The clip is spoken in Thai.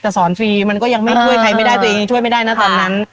สอนฟรีมันก็ยังไม่ช่วยใครไม่ได้ตัวเองช่วยไม่ได้นะตอนนั้น